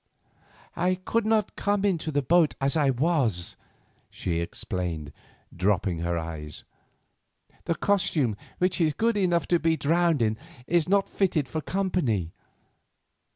"I could not come into the boat as I was," she explained, dropping her eyes. "The costume which is good enough to be drowned in is not fitted for company.